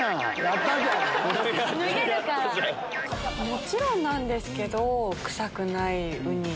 もちろんなんですけど臭くないウニ。